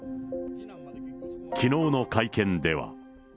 きのうの会見では。